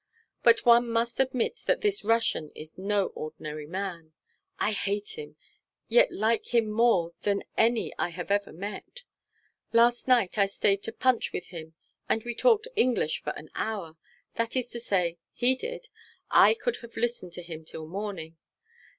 But one must admit that this Russian is no ordinary man. I hate him, yet like him more than any I have ever met. Last night I stayed to punch with him, and we talked English for an hour. That is to say, he did; I could have listened to him till morning.